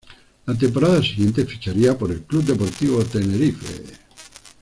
La temporada siguiente ficharía por el C. D. Tenerife.